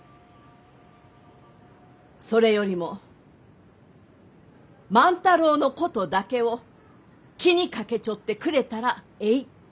それよりも万太郎のことだけを気にかけちょってくれたらえい。